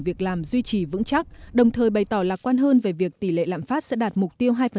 việc làm duy trì vững chắc đồng thời bày tỏ lạc quan hơn về việc tỷ lệ lạm phát sẽ đạt mục tiêu hai